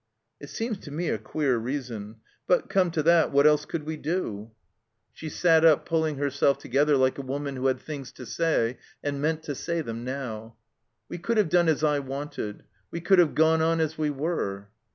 "It seems to me a queer reason. But, ^me to that, what else could we do?" 217 THE COMBINED MAZE She sat up, pulling herself together like a woman who had things to say and meant to say them now. "We could have done as I wanted. We could have gone on as we were."